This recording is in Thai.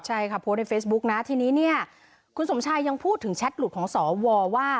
ใช่ค่ะโพสต์ในเฟซบุ๊กนะทีนี้เนี่ยคุณสมชายยังพูดถึงแชทหลุดของสวว่า